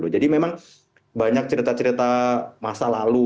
jadi memang banyak cerita cerita masa lalu